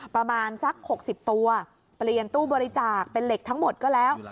ประมาณสัก๖๐ตัวเปลี่ยนตู้บริจาคเป็นเหล็กทั้งหมดก็แล้ว